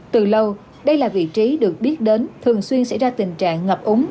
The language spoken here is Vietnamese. từ lâu đây là vị trí được biết đến thường xuyên xảy ra tình trạng ngập úng